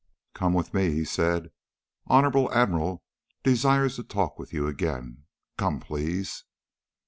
"Come with me," he said. "Honorable Admiral desires to talk with you again. Come please."